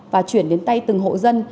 và chuyển đến tay từng hộ dân